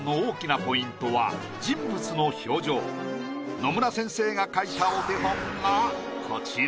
野村先生が描いたお手本がこちら。